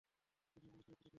সে সম্পুর্ণ সুরক্ষিত থাকবে।